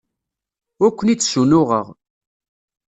Ur ken-id-ssunuɣeɣ.